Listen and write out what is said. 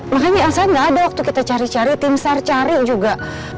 makanya elsa gak ada waktu kita cari cari tim star cari juga